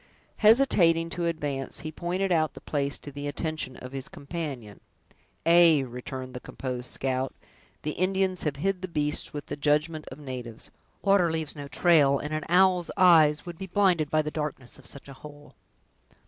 Hesitating to advance, he pointed out the place to the attention of his companion. "Ay," returned the composed scout, "the Indians have hid the beasts with the judgment of natives! Water leaves no trail, and an owl's eyes would be blinded by the darkness of such a hole."